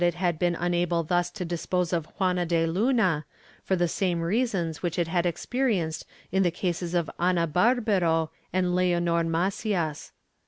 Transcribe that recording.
Ill 10 146 HARSHER PENALTIES [Book VII unable thus to dispose of Juana de Luna, for the same reasons which it had experienced in the cases of Ana Barbero and Leonor Macias.